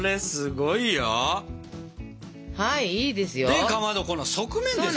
でかまどこの側面ですよ。